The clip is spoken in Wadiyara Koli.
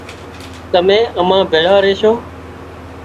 تمين امان ڀيۯا ريشو